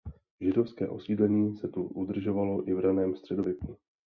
Židovské osídlení se tu udrželo i v raném středověku.